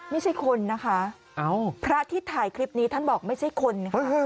ไม่ใช่คนนะคะพระที่ถ่ายคลิปนี้ท่านบอกไม่ใช่คนค่ะ